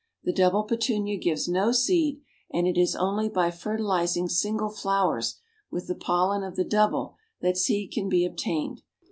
The double Petunia gives no seed, and it is only by fertilizing single flowers with the pollen of the double that seed can be obtained.